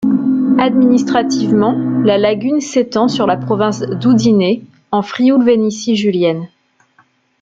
Administrativement, la lagune s'étend sur la province d'Udine, en Frioul-Vénétie julienne.